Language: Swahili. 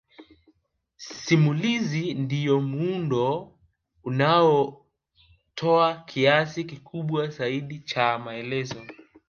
Simulizi ndiyo muundo unaotoa kiasi kikubwa zaidi cha maelezo